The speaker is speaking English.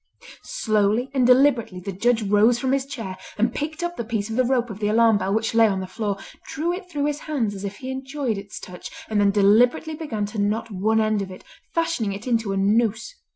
Slowly and deliberately the Judge rose from his chair and picked up the piece of the rope of the alarm bell which lay on the floor, drew it through his hands as if he enjoyed its touch, and then deliberately began to knot one end of it, fashioning it into a noose.